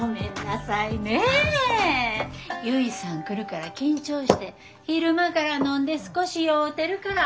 結さん来るから緊張して昼間から飲んで少し酔うてるから。